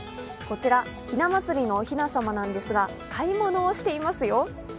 こちら、ひな祭りのおひな様なんですが、買い物をしていますよ。